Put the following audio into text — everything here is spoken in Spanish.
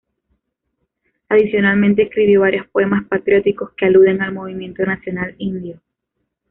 Adicionalmente, escribió varios poemas patrióticos que aluden al Movimiento Nacional Indio.